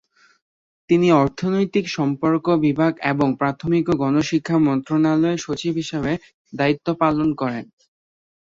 তিনি অর্থনৈতিক সম্পর্ক বিভাগ এবং প্রাথমিক ও গণশিক্ষা মন্ত্রণালয়ের সচিব হিসেবে দায়িত্ব পালন করেন।